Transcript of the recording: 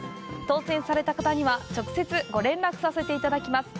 当せんされた方には、直接ご連絡させていただきます。